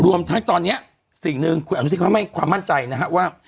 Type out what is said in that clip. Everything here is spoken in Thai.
รวมทั้งตอนนี้สิ่งหนึ่งความมั่นใจนะครับว่า